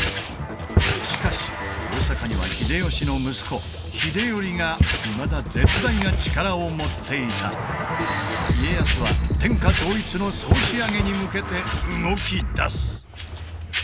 しかし大坂には秀吉の息子秀頼がいまだ絶大な力を持っていた家康は天下統一の総仕上げに向けて動きだす